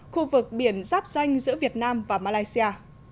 khu vực biển giáp danh giữa việt nam và malaysia